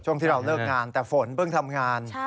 ช่วงที่เราเลิกงานแต่ฝนเพิ่งทำงาน